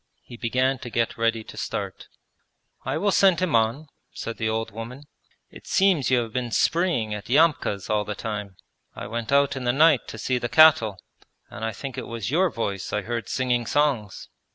He began to get ready to start. 'I will send him on,' said the old woman. 'It seems you have been spreeing at Yamka's all the time. I went out in the night to see the cattle, and I think it was your voice I heard singing songs.'